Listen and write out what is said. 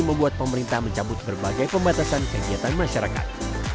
membuat pemerintah mencabut berbagai penyelenggaraan